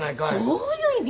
どういう意味！？